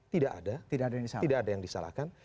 tidak ada tidak ada yang disalahkan